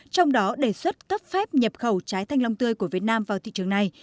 trong đó đề xuất cấp phép nhập khẩu trái thanh long tươi của việt nam vào thị trường này